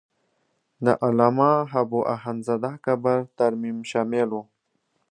د علامه حبو اخند زاده قبر ترمیم شامل و.